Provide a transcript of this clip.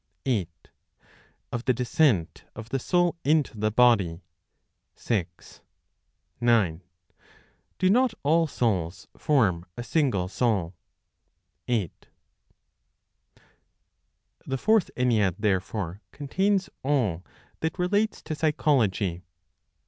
8. Of the Descent of the Soul into the Body, 6. 9. Do not all Souls form a Single Soul? 8. The Fourth Ennead, therefore, contains all that relates to Psychology.